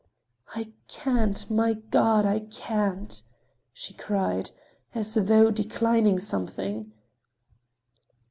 "I can't! My God! I can't!" she cried, as though declining something.